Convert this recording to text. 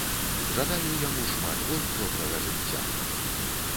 Жадаю яму шмат год добрага жыцця!